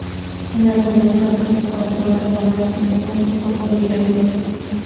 En algunos casos se controla con ácido fólico o hierro.